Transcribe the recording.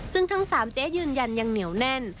ซึ่งทั้ง๓เจ๊ยืนยันยังเหนียวแน่น